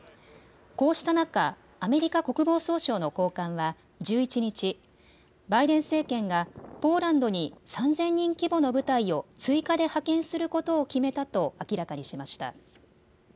こうした中、アメリカ国防総省の高官は１１日、バイデン政権がポーランドに３０００人規模の部隊を追加で派遣することを決めたと明らかにしました。